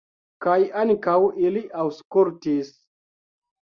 Kaj ankaŭ ili aŭskultis.